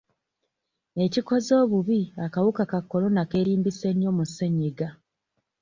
Ekikoze obubi akawuka ka Corona keerimbise nnyo mu ssenyiga.